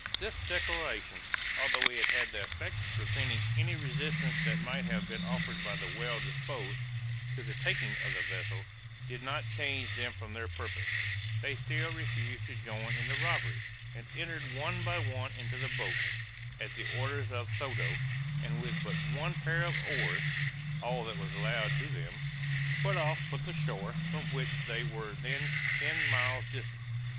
This declaration, although it had the effect of preventing any resistance that might have been offered by the well disposed, to the taking of the vessel, did not change them from their purpose; they still refused to join in the robbery, and entered one by one into the boat, at the orders of Soto, and with but one pair of oars (all that was allowed to them) put off for the shore, from which they were then ten miles distant.